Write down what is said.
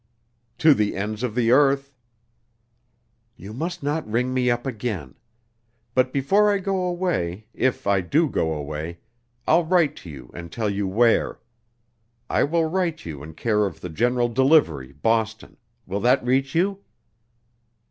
"To the ends of the earth." "You must not ring me up again. But before I go away, if I do go away, I'll write to you and tell you where. I will write you in care of the General Delivery, Boston will that reach you?"